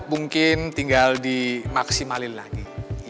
mungkin tinggal dimaksimalin lagi